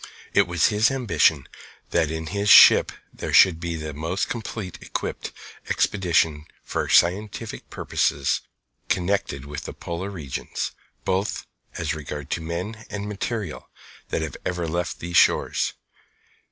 It was his ambition that in his ship there should be the most completely equipped expedition for scientific purposes connected with the polar regions, both as regards men and material, that ever left these shores.